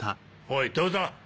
おいどうだ？